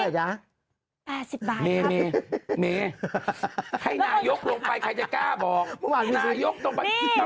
ชิคกี้พายลองดูด้วยครับไม่เชื่อชิคกี้พายลองดูด้วยครับ